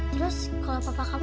terus kalau papa kamu